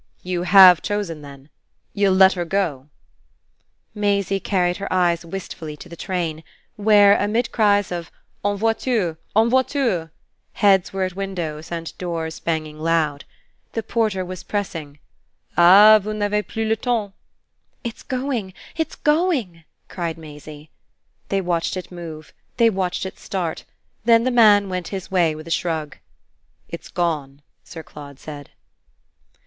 "You HAVE chosen then? You'll let her go?" Maisie carried her eyes wistfully to the train, where, amid cries of "En voiture, en voiture!" heads were at windows and doors banging loud. The porter was pressing. "Ah vous n'avez plus le temps!" "It's going it's going!" cried Maisie. They watched it move, they watched it start; then the man went his way with a shrug. "It's gone!" Sir Claude said.